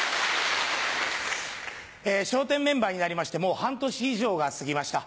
笑点メンバーになりましてもう半年以上が過ぎました。